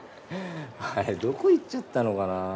あれどこ行っちゃったのかな？